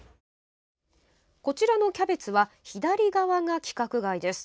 こちらのキャベツは左側が規格外です。